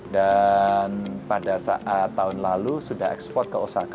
dan pada saat tahun lalu sudah ekspor ke osaka